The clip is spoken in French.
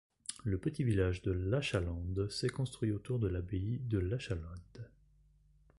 Le petit village de Lachalande s'est construit autour de l'abbaye de Lachalade.